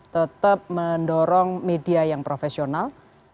tetap mendorong media yang profesional